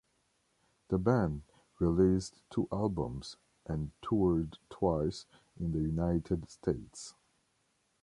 The band released two albums and toured twice in the United States.